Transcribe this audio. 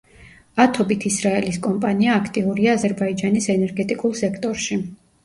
ათობით ისრაელის კომპანია აქტიურია აზერბაიჯანის ენერგეტიკულ სექტორში.